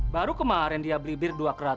baru kemarin dia beli bir dua keraton